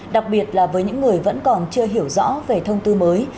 đặc biệt là với những người vẫn còn chưa hiểu rõ về thông tư mới